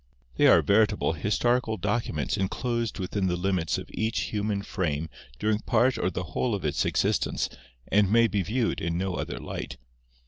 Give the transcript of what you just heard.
They are veritable historical documents enclosed within the limits of each human frame during part, or the whole of its existence and may be viewed in no other light.